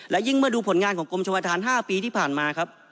และยิ่งเมื่อดูผลงานของกรมชมธาน๕ปีที่ผ่านมาครับ